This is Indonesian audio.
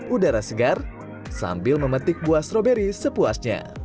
udara segar sambil memetik buah stroberi sepuasnya